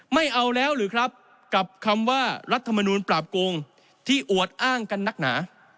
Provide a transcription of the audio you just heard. ไม่เอาแล้วหรือครับกับคำว่ารัฐมนูลปราบโกงที่อวดอ้างกันนักหนา